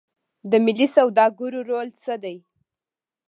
د ملي سوداګرو رول څه دی؟